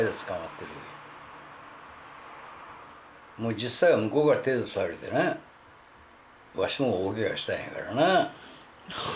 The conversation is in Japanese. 実際は向こうから手ぇ出されてねわしも大けがしたんやからな。